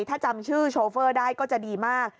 ถ้าจำชื่อโชเฟอร์ได้ก็จะดีมาก